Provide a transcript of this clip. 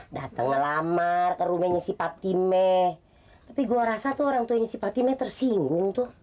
datang ngelamar ke rumahnya si patime tapi gue rasa tuh orang tuanya si patime tersinggung tuh